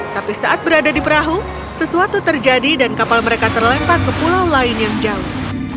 tapi saat berada di perahu sesuatu terjadi dan kapal mereka terlempar ke pulau lain yang jauh